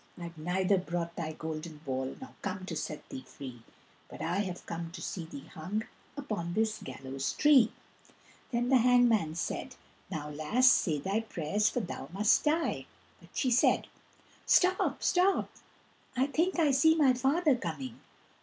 "I've neither brought thy golden ball Nor come to set thee free, But I have come to see thee hung Upon this gallows tree." Then the hangman said, "Now, lass, say thy prayers for thou must die." But she said: "Stop, stop, I think I see my father coming!